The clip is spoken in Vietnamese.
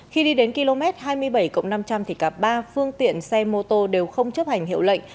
khi đi đến km hai mươi bảy năm trăm linh thì cả ba phương tiện xe mô tô đều không chấp hành hiệu lệnh